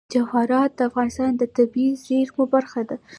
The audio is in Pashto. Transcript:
جواهرات د افغانستان د طبیعي زیرمو برخه ده.